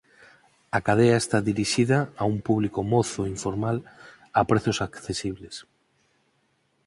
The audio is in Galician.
A cadea está dirixida a un público mozo e informal a prezos accesibles.